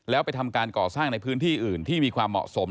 แล้วไปทำการก่อสร้างในพื้นที่อื่นที่มีความเหมาะสม